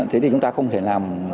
thế thì chúng ta không thể làm